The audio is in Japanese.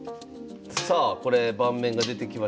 さあこれ盤面が出てきました。